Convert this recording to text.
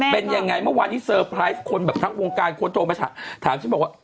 เป็นยังไงเมื่อวานนี้เซอร์ไพรส์คนแบบทั้งวงการคนโทรมาถามฉันบอกว่า